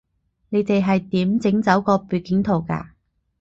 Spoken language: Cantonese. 你哋係點整走個背景圖㗎